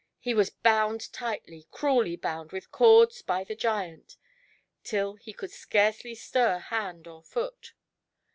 He was bound tightly, cruelly bound with corda by the giant, till he could scarcely stir hand or foot.